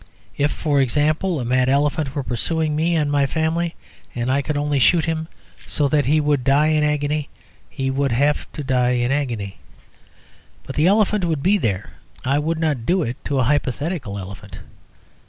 If (for example) a mad elephant were pursuing me and my family, and I could only shoot him so that he would die in agony, he would have to die in agony. But the elephant would be there. I would not do it to a hypothetical elephant.